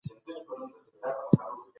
سفیران څنګه فردي ازادۍ ته وده ورکوي؟